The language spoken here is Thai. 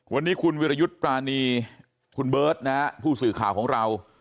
วันนี้คุณวิรยุทธ์ปรานีคุณเบิร์ตนะฮะผู้สื่อข่าวของเรา